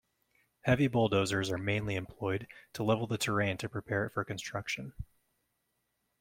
Heavy bulldozers are mainly employed to level the terrain to prepare it for construction.